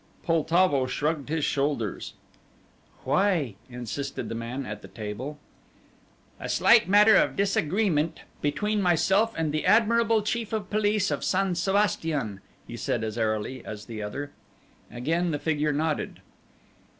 Poltavo shrugged his shoulders. "Why?" insisted the man at the table. "A slight matter of disagreement between myself and the admirable chief of police of Sans Sebastian," he said as airily as the other. Again the figure nodded.